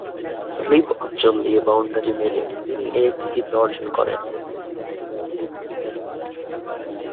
Slip অঞ্চল দিয়ে boundary মেরে তিনি এ কৃতিত্ব অর্জন করেন।